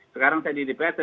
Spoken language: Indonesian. sekarang saya di dpr